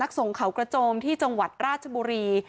ส่งเขากระโจมที่จังหวัดราชบุรี